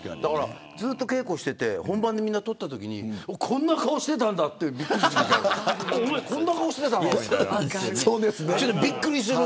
ずっと稽古していて本番で取ったときにこんな顔してたんだってびっくりする。